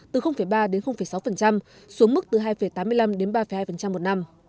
từ ba đến sáu xuống mức từ hai tám mươi năm đến ba hai một năm